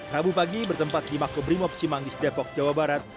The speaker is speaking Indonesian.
rabu pagi bertempat di makubrimob cimangis depok jawa barat